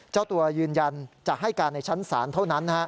เจ้าตัวยืนยันจะให้การในชั้นศาลเท่านั้น